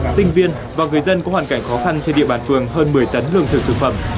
sinh viên và người dân có hoàn cảnh khó khăn trên địa bàn phường hơn một mươi tấn lương thực thực phẩm